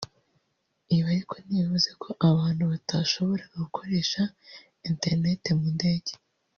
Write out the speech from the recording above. Ibi ariko ntibivuze ko abantu batashoboraga gukoresha internet mu ndege